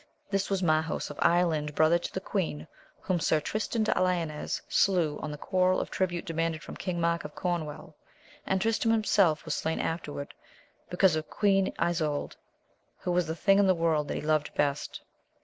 This was Marhaus of Ireland, brother to the queen, whom Sir Trystram de Lyones slew on the quarrel of tribute demanded from King Mark of Cornwall, and Trystram himself was slain afterward because of Queen Isoude, who was the thing in the world that he loved best.